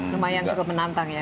lumayan cukup menantang ya